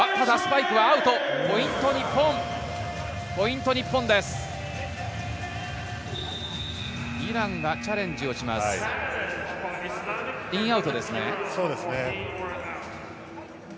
インアウトですね。